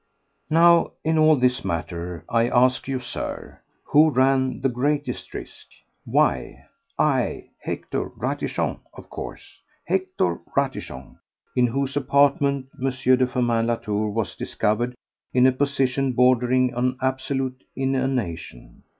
5. Now in all this matter, I ask you, Sir, who ran the greatest risk? Why, I—Hector Ratichon, of course—Hector Ratichon, in whose apartment M. de Firmin Latour was discovered in a position bordering on absolute inanition.